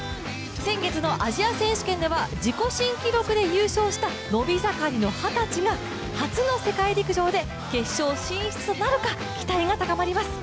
先月のアジア選手権では自己新記録で優勝した伸び盛りの二十歳が初の世界陸上で決勝進出となるか、期待が高まります。